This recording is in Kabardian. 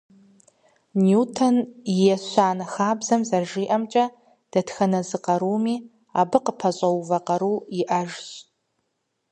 Ньютон и ещанэ хабзэм зэрыжиӏэмкӏэ, дэтхэнэ зы къаруми, абы къыпэщӏэувэ къару иӏэжщ.